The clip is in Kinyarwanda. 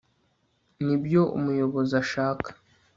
nibyo umuyobozi ashaka